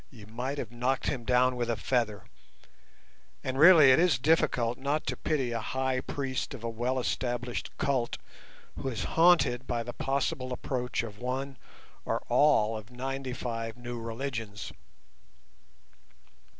You might have knocked him down with a feather, and really it is difficult not to pity a high priest of a well established cult who is haunted by the possible approach of one or all of ninety five new religions.